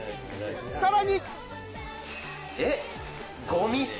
さらに。